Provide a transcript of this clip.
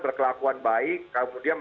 berkelakuan baik kemudian